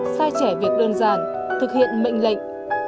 sai trẻ việc đơn giản thực hiện mệnh lệnh